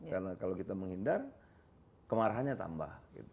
karena kalau kita menghindar kemarahannya tambah